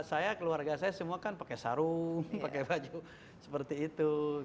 karena keluarga saya semua kan pakai sarung pakai baju seperti itu